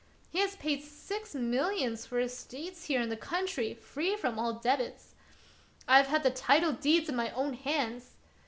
He has paid six millions for estates here in the country free from all debits. I have had the title deeds in my own hands